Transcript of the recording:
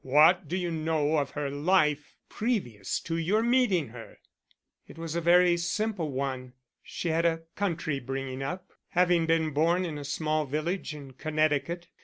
What do you know of her life previous to your meeting her?" "It was a very simple one. She had a country bringing up, having been born in a small village in Connecticut.